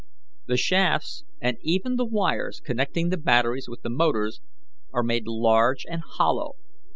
The shafts, and even the wires connecting the batteries with the motors, are made large and hollow.